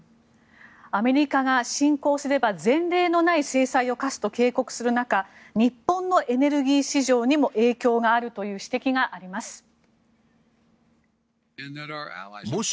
アメリカが、侵攻すれば前例のない制裁を科すと警告する中日本のエネルギー市場にも影響があるという指摘があります。